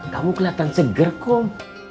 kamu keliatan seger kum